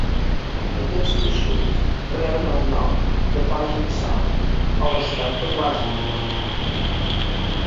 Aquests vaixells reben el nom de Puget Sound a l'estat de Washington.